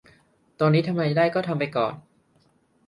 ตอนนี้ทำอะไรได้ก็ทำไปก่อน